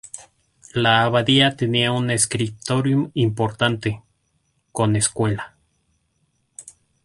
La abadía tenía un "scriptorium" importante, con escuela.